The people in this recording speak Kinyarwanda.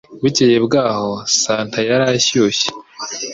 Bukeye bwaho Santa yari ashyushye